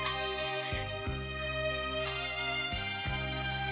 はい。